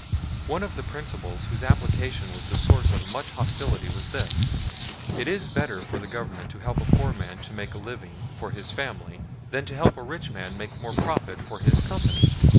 One of the principles whose application was the source of much hostility was this: It is better for the Government to help a poor man to make a living for his family than to help a rich man make more profit for his company.